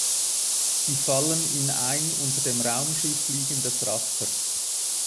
Sie fallen in ein unter dem Raumschiff liegendes Raster.